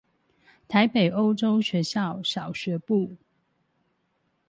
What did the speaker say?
臺北歐洲學校小學部